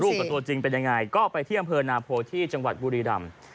กับตัวจริงเป็นยังไงก็ไปที่อำเภอนาโพที่จังหวัดบุรีรำ